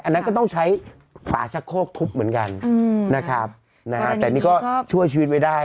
นั้นก็ต้องใช้ฝาชะโคกทุบเหมือนกันนะครับนะฮะแต่นี่ก็ช่วยชีวิตไว้ได้